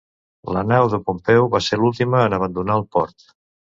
La nau de Pompeu va ser l'última en abandonar el port.